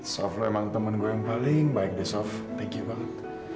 sof lo emang temen gue yang paling baik deh sof thank you banget